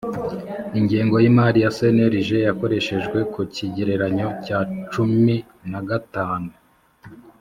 Ingengo y imari ya cnlg yakoreshejwe ku kigereranyo cya cumin a gatanu